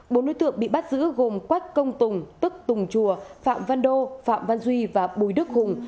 bốn đối tượng bị bắt giữ gồm quách công tùng tức tùng chùa phạm văn đô phạm văn duy và bùi đức hùng